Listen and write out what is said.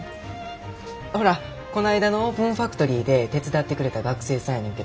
ほらこないだのオープンファクトリーで手伝ってくれた学生さんやねんけど。